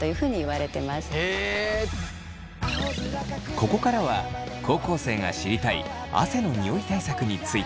ここからは高校生が知りたい汗のニオイ対策について。